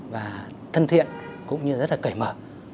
và thân thiện cũng như rất là kể mở